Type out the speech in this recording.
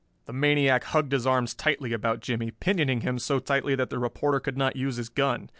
The maniac hugged his arms tightly about Jimmie, pinioning him so tightly that the reporter could not use his gun.